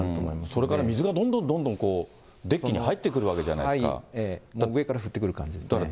それから水がどんどんどんどんデッキに入ってくるわけじゃな上から降ってくる感じですね。